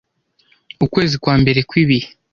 Ukwezi kwa mbere kw 'ibihe